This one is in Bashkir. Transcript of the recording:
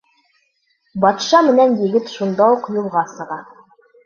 Батша менән егет шунда уҡ юлға сыға.